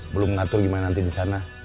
belum ngatur gimana nanti di sana